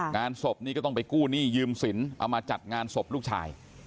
งานศพนี้ก็ต้องไปกู้หนี้ยืมสินเอามาจัดงานศพลูกชาย